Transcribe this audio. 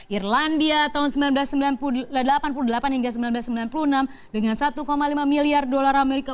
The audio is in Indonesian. irlandia tahun seribu sembilan ratus delapan puluh delapan hingga seribu sembilan ratus sembilan puluh enam dengan satu lima miliar dolar amerika